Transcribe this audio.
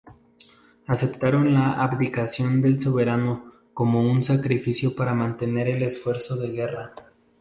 Aceptaron la abdicación del soberano como un sacrificio para mantener el esfuerzo de guerra.